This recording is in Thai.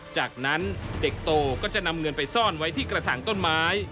จากนั้นเด็กโตก็จะนำเงินไปซ่อนไว้ที่กระถางต้นไม้